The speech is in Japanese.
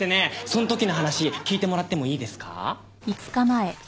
そん時の話聞いてもらってもいいですか？